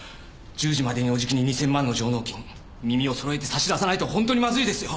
１０時までにおじきに２０００万の上納金耳を揃えて差し出さないとほんとにまずいですよ？